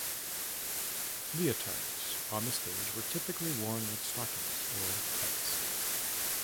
Leotards on the stage were typically worn with stockings or tights.